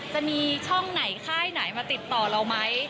จะมีช่องไหนค่ายไหนมาติดต่อเราไหม